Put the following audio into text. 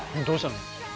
どうしたの？